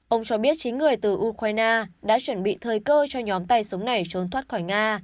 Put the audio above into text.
ông cho biết chín người từ ukraine đã chuẩn bị thời cơ cho nhóm tay súng này trốn thoát khỏi nga